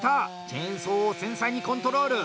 チェーンソーを繊細にコントロール。